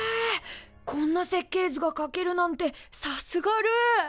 こんな設計図がかけるなんてさすがルー！